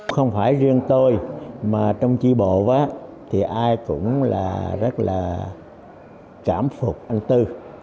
không phải riêng tôi mà trong chi bộ thì ai cũng là rất là cảm phục anh tư